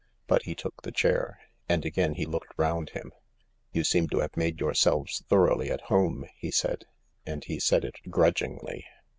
But he took the chair. And again he looked round him. " You seem to have made yourselves thoroughly at home," he said, and he said it grudgingly.